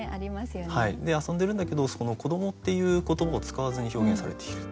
遊んでるんだけど「子ども」っていう言葉を使わずに表現されている。